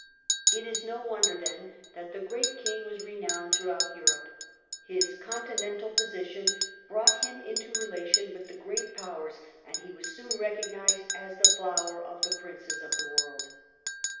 It is no wonder, then, that the great king was renowned throughout Europe. His continental position brought him into relation with the great powers, and jjj^ ^.^^^ he was soon recognized as " the flower of the throughout princes of the world".